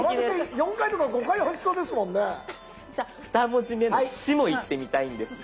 じゃあ２文字目の「し」もいってみたいんですが。